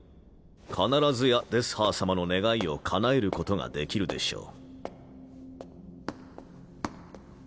必ずやデスハー様の願いをかなえることができるでしょう。